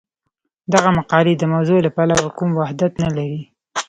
دغه مقالې د موضوع له پلوه کوم وحدت نه لري.